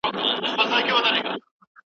آیا ته غواړې چې پټه خبره واورې؟